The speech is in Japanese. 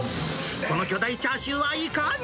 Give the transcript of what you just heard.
この巨大チャーシューはいかに。